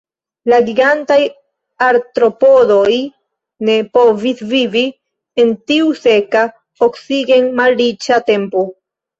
La gigantaj artropodoj ne povis vivi en tiu seka, oksigen-malriĉa tempo.